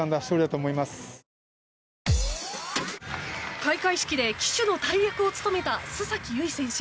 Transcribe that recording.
開会式で旗手の大役を務めた須崎優衣選手。